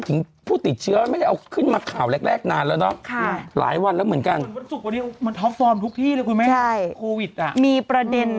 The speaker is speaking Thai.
แล้ววันเกิดสุขฝันวันเกิดนะฮะเกิดกันเยอะแยะ